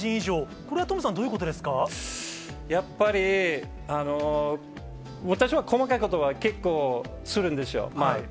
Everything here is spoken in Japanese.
これはトムさん、どういうことでやっぱり、私は細かいことは結構するんですよ。